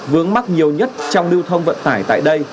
vướng mắc nhiều nhất trong nưu thông vận tải tại đây